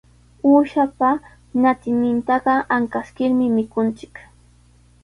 Uushapa ñatinnintaqa ankaskirmi mikunchik.